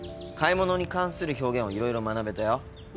買い物に関する表現をいろいろ学べたよ。